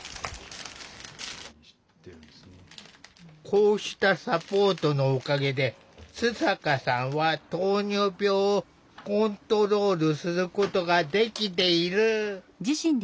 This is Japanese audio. こうしたサポートのおかげで津坂さんは糖尿病をコントロールすることができている。